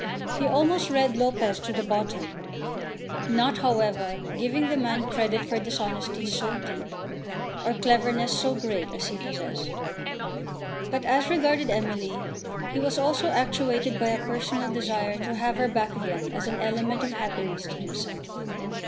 He almost read Lopez to the bottom, not, however, giving the man credit for dishonesty so deep or cleverness so great as he possessed. But as regarded Emily, he was also actuated by a personal desire to have her back again as an element of happiness to himself.